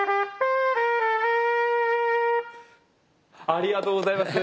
ありがとうございます。